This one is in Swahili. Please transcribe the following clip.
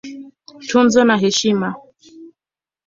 Tuzo na Heshima